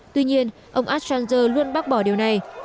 tuy nhiên ông assanger luôn bác bỏ điều này